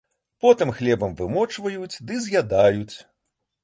Потым хлебам вымочваюць ды з'ядаюць.